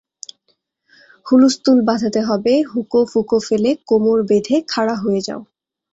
হুলস্থুল বাঁধাতে হবে, হুঁকো ফুঁকো ফেলে কোমর বেঁধে খাড়া হয়ে যাও।